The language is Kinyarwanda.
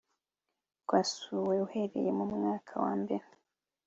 twasuwe uhereye mu mwaka wa mbere